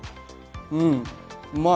うんうまい！